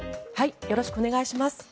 よろしくお願いします。